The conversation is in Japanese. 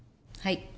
はい。